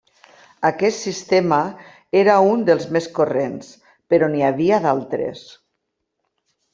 Aquest sistema era un dels més corrents, però n'hi havia d'altres.